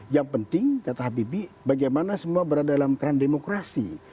yang penting kata habibie bagaimana semua berada dalam keran demokrasi